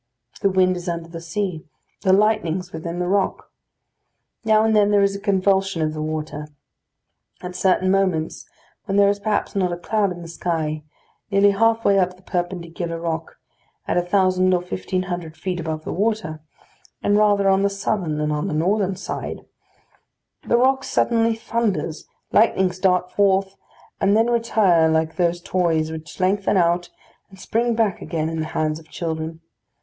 The wind is under the sea; the lightnings within the rock. Now and then there is a convulsion of the water. At certain moments, when there is perhaps not a cloud in the sky, nearly half way up the perpendicular rock, at a thousand or fifteen hundred feet above the water, and rather on the southern than on the northern side, the rock suddenly thunders, lightnings dart forth, and then retire like those toys which lengthen out and spring back again in the hands of children.